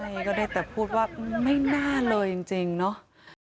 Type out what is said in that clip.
นี่ก็ได้แต่พูดว่าไม่น่าเลยจริงเนาะ